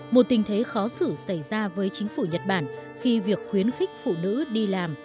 một tình thế khó xử xảy ra với chính phủ nhật bản khi việc khuyến khích phụ nữ đi làm